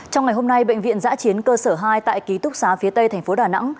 trong ngày hôm nay bệnh viện giã chiến cơ sở hai tại ký túc xá phía tây thành phố đà nẵng